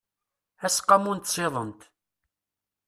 aseqqamu n tsiḍent